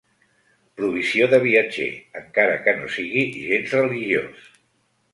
Provisió de viatger, encara que no sigui gens religiós.